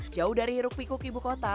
jauh dari hiruk pikuk ibu kota